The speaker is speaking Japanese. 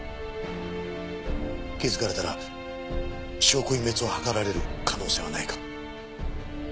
気づかれたら証拠隠滅を図られる可能性はないか？